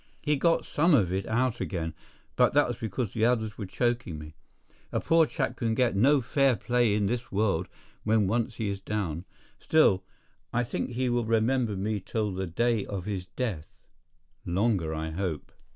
He got some of it out again, but that was because the others were choking me. A poor chap can get no fair play in this world when once he is down—still, I think he will remember me till the day of his death—longer, I hope.